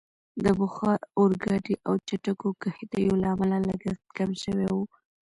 د بخار اورګاډي او چټکو کښتیو له امله لګښت کم شوی وو.